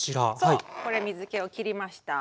これ水けをきりました。